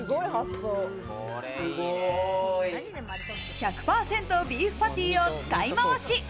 １００％ビーフパティを使いまわし。